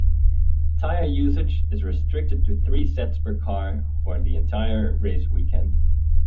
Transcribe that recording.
Tyre usage is restricted to three sets per car for the entire race weekend.